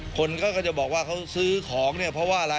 คนก็จะบอกว่าเขาซื้อของเนี่ยเพราะว่าอะไร